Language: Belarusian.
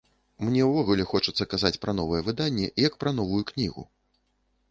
Мне ўвогуле хочацца казаць пра новае выданне, як пра новую кнігу.